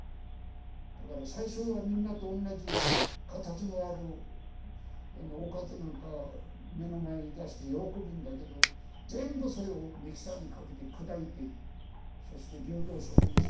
だから最初はみんなと同じ形のあるおかずなんか目の前に出して喜ぶんだけど全部それをミキサーにかけて砕いてそして流動食にして飲ませる。